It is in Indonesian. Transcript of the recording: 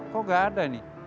kok tidak ada ini